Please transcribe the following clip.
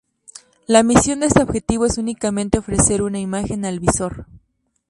La misión de este objetivo es únicamente ofrecer una imagen al visor.